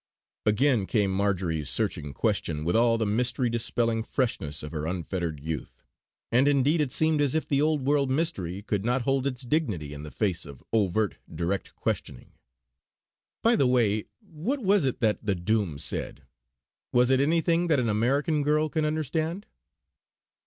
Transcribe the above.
Again came Marjory's searching question, with all the mystery dispelling freshness of her unfettered youth; and indeed it seemed as if the Old world mystery could not hold its dignity in the face of overt, direct questioning: "By the way, what was it that the Doom said? Was it anything that an American girl can understand?"